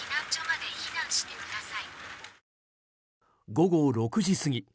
午後６時過ぎ